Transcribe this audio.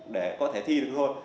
để có thể thi được thôi